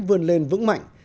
vươn lên vững mạnh